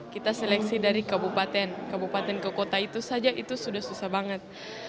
kita seleksi dari kabupaten kabupaten ke kota itu saja itu sudah susah banget